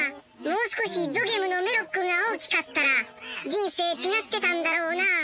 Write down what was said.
もう少しゾゲムのメロックが大きかったら人生違ってたんだろうなあ。